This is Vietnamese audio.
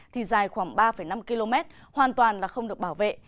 thì dài khoảng ba năm km hoàn toàn là không được bảo vệ